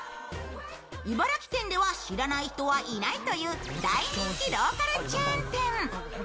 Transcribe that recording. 茨城県では知らない人はいないという大人気ローカルチェーン店。